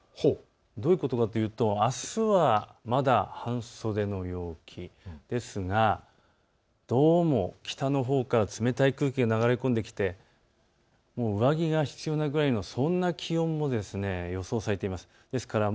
どういうことかというとあすはまだ半袖の陽気ですがどうも北のほうから冷たい空気が流れ込んできて上着が必要なぐらいのそんな気温も予想されています。